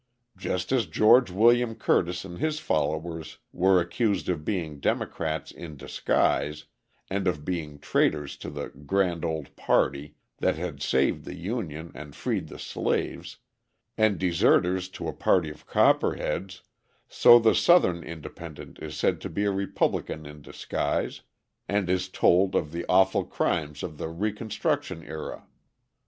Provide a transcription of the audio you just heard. Just as George William Curtis and his followers were accused of being Democrats in disguise and of being traitors to the 'grand old party' that had saved the Union and freed the slaves, and deserters to a party of Copperheads, so the Southern independent is said to be a Republican in disguise, and is told of the awful crimes of the Reconstruction era.